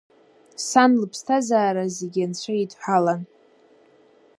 Сан лыԥсҭазаара зегьы Анцәа идҳәалан.